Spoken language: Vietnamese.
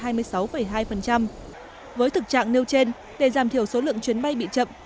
với thực trạng nêu trên để giảm thiểu số lượng chuyến bay bị chậm